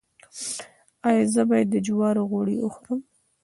ایا زه باید د جوارو غوړي وخورم؟